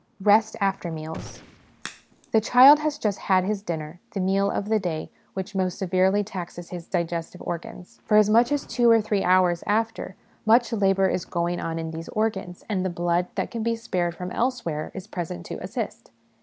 Rest after Meals. The child has just had his dinner, the meal of the day which most severely taxes SOME PRELIMINARY CONSIDERATIONS 23 his digestive organs ; for as much as two or three hours after, much labour is going on in these organs, and the blood that can be spared from elsewhere is present to assist.